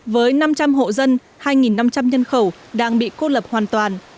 với năm trăm linh hộ dân hai năm trăm linh nhân khẩu đang bị cô lập hoàn toàn